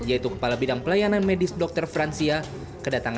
yaitu kepala bidang pelayanan medis dr fransia